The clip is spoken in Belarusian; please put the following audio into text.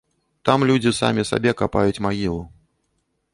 Там людзі самі сабе капаюць магілу.